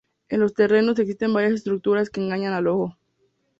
En los terrenos existen varias estructuras que engañan al ojo.